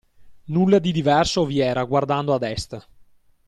Nulla di diverso vi era guardando ad Est.